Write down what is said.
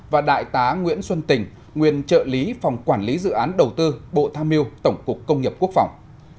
và đại tá nguyễn xuân tình nguyên trợ lý phòng quản lý dự án đầu tư bộ tham mưu tổng cục công nghiệp quốc phòng